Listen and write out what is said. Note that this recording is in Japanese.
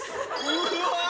うわ。